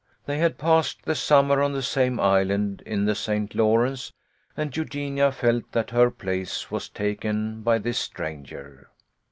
They had passed the summer on the same island in the St. Lawrence, and Eugenia felt that her place was taken by this stranger.